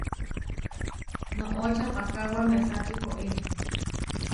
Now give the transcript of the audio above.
Noʼo čapakáwa mesačí pói.